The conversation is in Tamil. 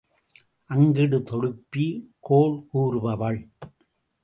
அங்கிடு தொடுப்பி கோள் கூறுபவள்.